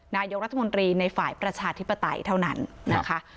นายกรัฐมนตรีในฝ่ายประชาธิปไตยเท่านั้นนะคะ